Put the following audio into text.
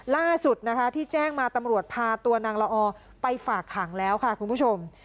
ล่าสุดนะคะที่แจ้งมาตำรวจพาตัวนางละออไปฝากขังแล้วค่ะคุณผู้ชม